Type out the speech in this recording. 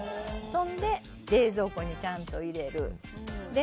それで冷蔵庫にちゃんと入れる。